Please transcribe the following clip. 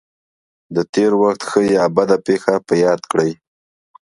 د تېر وخت ښه یا بده پېښه په یاد کړئ.